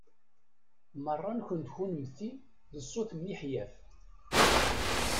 Meṛṛa-nkent kunemti d sut miḥyaf.